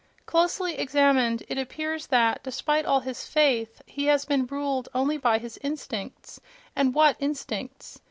Closely examined, it appears that, despite all his "faith," he has been ruled only by his instincts—and what instincts!